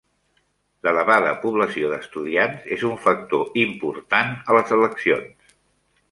L'elevada població d'estudiants és un factor important a les eleccions.